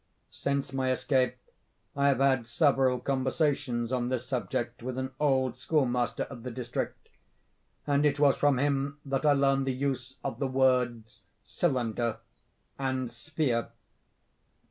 Since my escape, I have had several conversations on this subject with an old school master of the district; and it was from him that I learned the use of the words 'cylinder' and 'sphere.